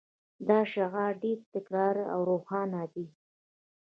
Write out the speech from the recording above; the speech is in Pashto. دا شعار ډیر تکراري او روښانه دی